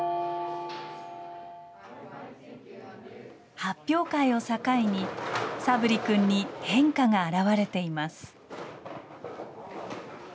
発表会を境に、佐分利君に変化が現れています。